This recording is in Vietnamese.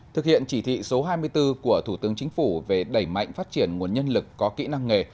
thực hiện chỉ thị số hai mươi bốn của thủ tướng chính phủ về đẩy mạnh phát triển nguồn nhân lực có kỹ năng nghề